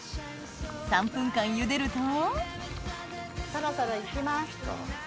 ３分間ゆでるとそろそろ行きます。